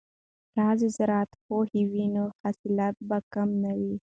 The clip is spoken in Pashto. که ښځې زراعت پوهې وي نو حاصلات به کم نه وي.